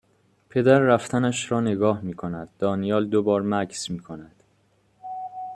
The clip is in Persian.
پدر رفتنش را نگاه میکند دانیال دو بار مکث میکند